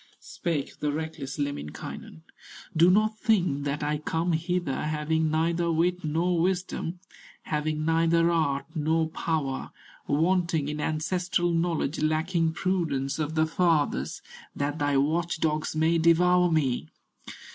Spake the reckless Lemminkainen: "Do not think that I come hither Having neither wit nor wisdom, Having neither art nor power, Wanting in ancestral knowledge, Lacking prudence of the fathers, That thy watch dogs may devour me.